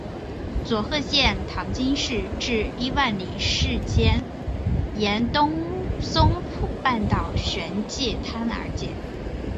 佐贺县唐津市至伊万里市间沿东松浦半岛玄界滩而建。